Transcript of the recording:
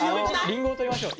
りんごを取りましょう。